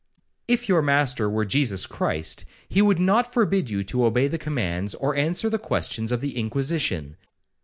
If your master were Jesus Christ, he would not forbid you to obey the commands, or answer the questions of the Inquisition.'